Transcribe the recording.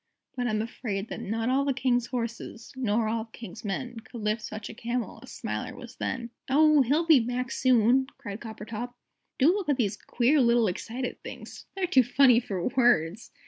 But I'm afraid that Not all the King's horses, Nor all the King's men, Could lift such a Camel As Smiler was then. "Oh, he'll be back soon!" cried Coppertop. "Do look at these queer little excited things. They're too funny for words!"